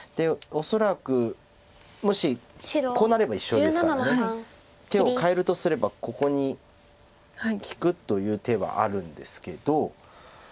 こうなれば一緒ですから手を変えるとすればここに利くという手はあるんですけど。